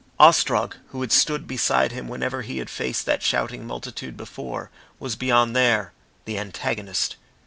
Ostrog, who had stood beside him whenever he had faced that shouting multitude before, was beyond there the antagonist.